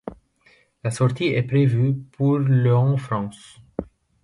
La sortie est prévue pour le en France.